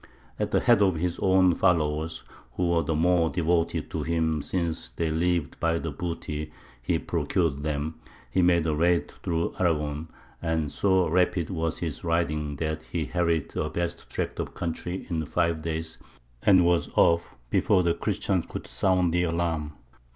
At the head of his own followers, who were the more devoted to him since they lived by the booty he procured them, he made a raid through Aragon, and so rapid was his riding that he harried a vast tract of country in five days, and was off before the Christians could sound the alarm.